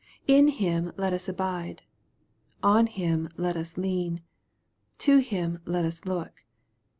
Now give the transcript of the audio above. In Him let us abide. On him let us lean. To Him let us look.